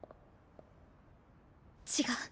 違う。